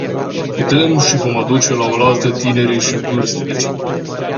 Putem și vom aduce laolaltă tinerii și vârstnicii.